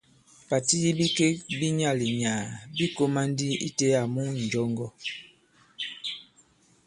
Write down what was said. Pàti yi bikek bi nɔ̄lā bi nyaà-li-nyàà bī kōmā ndi itē àmu ǹnjɔŋgɔ.